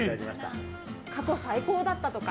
過去最高だったとか。